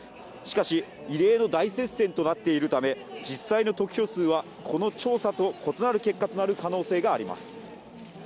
しかし、異例の大接戦となっているため実際の得票数はこの調査と異なる結果となる可能性があります。